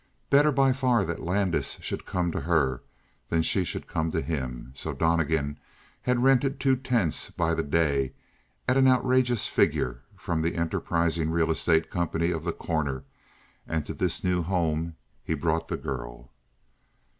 Better by far that Landis should come to her than that she should come to him, so Donnegan had rented two tents by the day at an outrageous figure from the enterprising real estate company of The Corner and to this new home he brought the girl.